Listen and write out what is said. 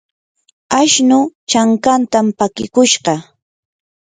ashnuu chankantam pakikushqa.